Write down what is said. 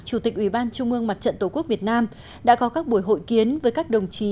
chủ tịch ủy ban trung ương mặt trận tổ quốc việt nam đã có các buổi hội kiến với các đồng chí